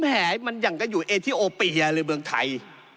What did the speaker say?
แหมันอย่างก็อยู่เอทีโอเปียในเมืองไทย